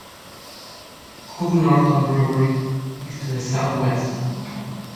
Hook Norton Brewery is to the south-west.